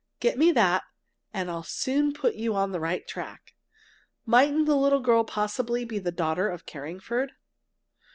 Get me that, and I'll soon put you on the right track! Mightn't the little girl possibly be the daughter of Carringford?